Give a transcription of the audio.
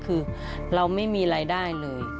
คือเราไม่มีรายได้เลย